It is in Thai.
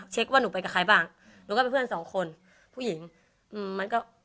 ว่าหนูไปกับใครบ้างหนูก็เป็นเพื่อนสองคนผู้หญิงอืมมันก็